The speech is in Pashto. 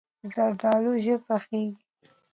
زردالو ژر پخیږي.